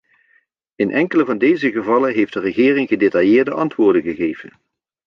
In enkele van deze gevallen heeft de regering gedetailleerde antwoorden gegeven.